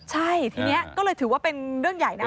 ใช่ทีนี้ก็เลยถือว่าเป็นเรื่องใหญ่นะ